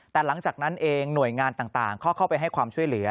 แต่หลังจากนั้นเองหน่วยงานต่างก็เข้าไปให้ความช่วยเหลือ